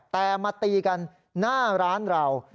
แต่มาตีกันหน้าร้านเรา